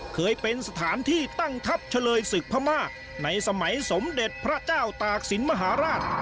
เคยเป็นสถานที่ตั้งทัพเฉลยศึกพม่าในสมัยสมเด็จพระเจ้าตากศิลปมหาราช